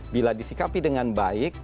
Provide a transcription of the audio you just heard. bila disikapi dengan baik